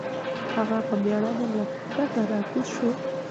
هغه په مېړانه له کټه راکوز شو.